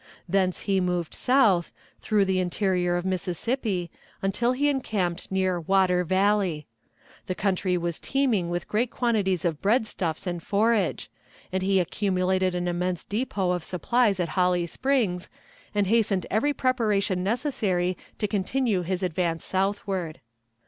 Thence he moved south, through the interior of Mississippi, until he encamped near Water Valley. The country was teeming with great quantities of breadstuffs and forage, and he accumulated an immense depot of supplies at Holly Springs, and hastened every preparation necessary to continue his advance southward.